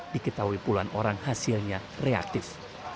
diketahui puluhan orang hasilnya reaktif